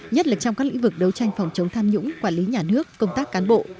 nhất là trong các lĩnh vực đấu tranh phòng chống tham nhũng quản lý nhà nước công tác cán bộ